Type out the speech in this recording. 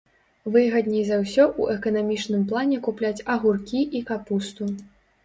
Выгадней за ўсё ў эканамічным плане купляць агуркі і капусту.